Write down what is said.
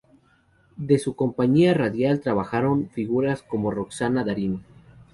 De su compañía radial trabajaron figuras como Roxana Darín.